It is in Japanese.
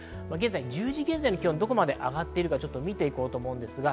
１０時現在の気温がどこまで上がっているのか見ていきます。